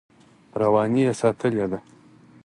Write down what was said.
رواني یې ساتلې ده.